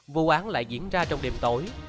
vụ án lại diễn ra trong đêm tối